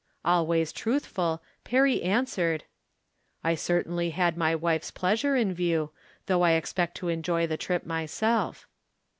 " Always truthful, Perry answered :" I certainly had my wife's pleasure in view, though I expect to enjoy the trip myself."